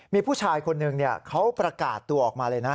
มีผู้ชายคนหนึ่งเขาประกาศตัวออกมาเลยนะ